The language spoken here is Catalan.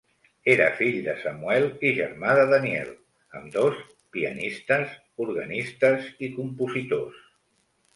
Era fill de Samuel i germà de Daniel, ambdós pianistes, organistes i compositors.